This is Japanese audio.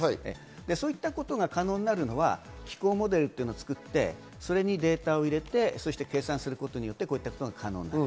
そういったことが可能になるのは気候モデルを作ってそれにデータを入れて計算することによって、これが可能になる。